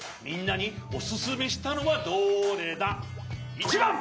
１ばん！